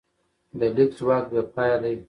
د لیک ځواک بېپایه دی.